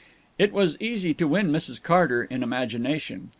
It was easy to win Mrs. Carter, in imagination.